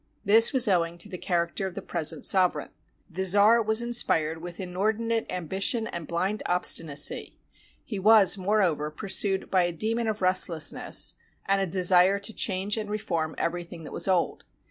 This was owing to the character of the present sovereign. The czar was inspired with inordinate ambition and blind obstinacy; he was, moreover, pursued by a demon of restlessness, and a desire to change and reform every thing that was old.